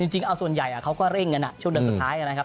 จริงเอาส่วนใหญ่เขาก็เร่งกันช่วงเดือนสุดท้ายนะครับ